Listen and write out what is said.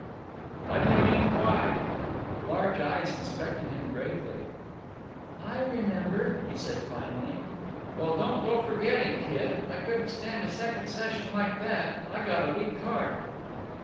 "How do you mean—why?" The large eyes inspected him gravely. "I remember," he said finally. "Well, don't go forgetting, kid. I couldn't stand a second session like that. I got a weak heart."